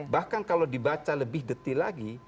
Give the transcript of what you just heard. bahkan kalau dibaca lebih detil lagi